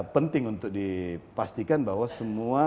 penting untuk dipastikan bahwa semua